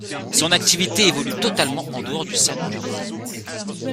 Son activité évolue totalement en dehors du Salon tunisien.